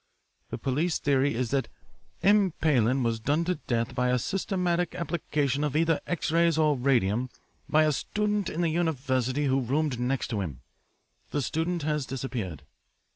The police theory is that M. Pailin was done to death by a systematic application of either X rays or radium by a student in the university who roomed next to him. The student has disappeared.'